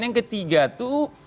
yang ketiga itu